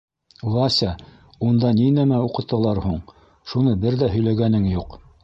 — Вася, унда ни нәмә уҡыталар һуң, шуны бер ҙә һөйләгәнең юҡ?